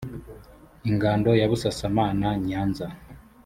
ingando ya busasamana nyanza